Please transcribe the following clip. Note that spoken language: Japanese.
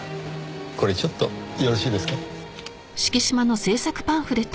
これちょっとよろしいですか？